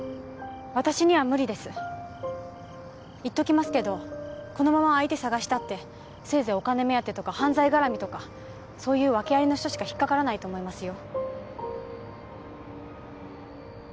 私には無理です言っときますけどこのまま相手探したってせいぜいお金目当てとか犯罪がらみとかそういう訳アリの人しか引っかからないと思いますよ